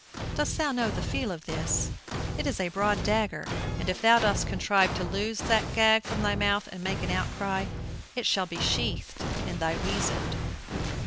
"Dost thou know the feel of this? It is a broad dagger, and if thou dost contrive to loose that gag from thy mouth and makest any outcry, it shall be sheathed in thy weasand."